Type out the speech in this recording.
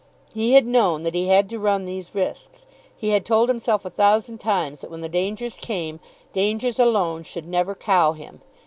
He had known that he had to run these risks. He had told himself a thousand times that when the dangers came, dangers alone should never cow him.